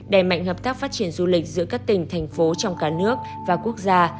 đẩy mạnh hợp tác phát triển du lịch giữa các tỉnh thành phố trong cả nước và quốc gia